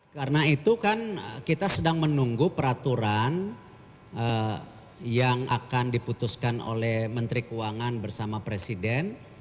karena itu kan kita sedang menunggu peraturan yang akan diputuskan oleh menteri keuangan bersama presiden